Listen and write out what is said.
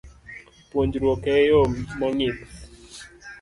Puonjruok e yo mong'ith